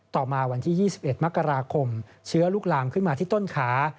ต่อมาวันที่๒๑มกราคมเชื้อลุกลามขึ้นมาที่ต้นขา